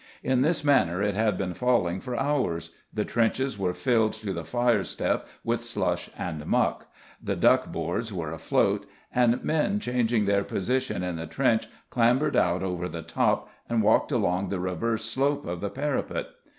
In this manner it had been falling for hours; the trenches were filled to the firestep with slush and muck; the duck boards were afloat, and men changing their position in the trench clambered out over the top and walked along the reverse slope of the parapet.